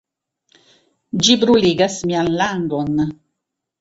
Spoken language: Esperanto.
Ĝi bruligas mian langon!